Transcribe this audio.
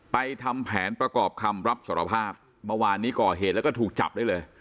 ทำแผนประกอบคำรับสารภาพเมื่อวานนี้ก่อเหตุแล้วก็ถูกจับได้เลย